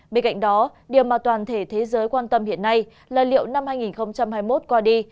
bên cạnh đó điều mà toàn thể thế giới quan tâm hiện nay là liệu năm hai nghìn hai mươi một qua đi